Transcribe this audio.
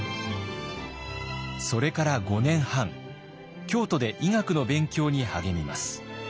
それから５年半京都で医学の勉強に励みます。